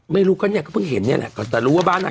ไม่รู้ก็เนี่ยก็เพิ่งเห็นเนี่ยแหละก็แต่รู้ว่าบ้านนั้น